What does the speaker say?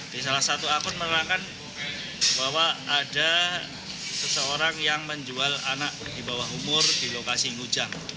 di salah satu akun menerangkan bahwa ada seseorang yang menjual anak di bawah umur di lokasi ngujang